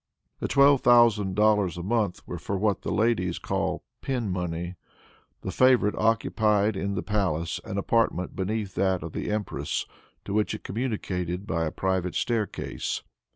The twelve thousand dollars a month were for what the ladies call pin money. The favorite occupied in the palace an apartment beneath that of the empress, to which it communicated by a private stair case.